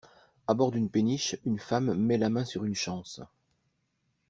À bord d'une péniche, une femme met la main sur une chance.